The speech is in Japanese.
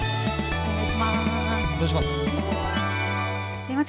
お願いします。